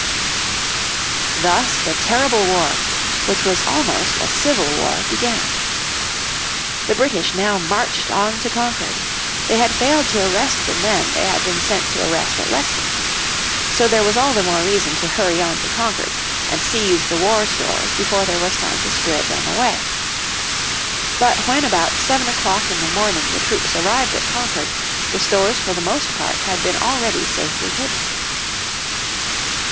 Thus the terrible war, which was almost a civil war, began. The British now marched on to Concord. They had failed to arrest the men they had been sent to arrest at Lexington. So there was all the more reason to hurry on to Concord, and seize the war stores before there was time to spirit them away. But when about seven o'clock in the morning the troops arrived at Concord the stores for the most part had been already safely hidden.